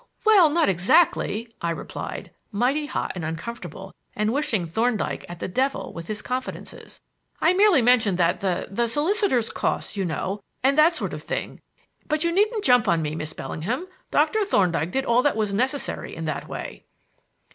"Well, not exactly," I replied, mighty hot and uncomfortable, and wishing Thorndyke at the devil with his confidences. "I merely mentioned that the the solicitor's costs, you know, and that sort of thing but you needn't jump on me, Miss Bellingham; Doctor Thorndyke did all that was necessary in that way."